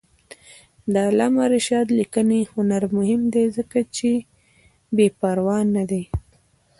د علامه رشاد لیکنی هنر مهم دی ځکه چې بېپروا نه دی.